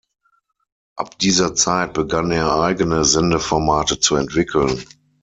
Ab dieser Zeit begann er eigene Sendeformate zu entwickeln.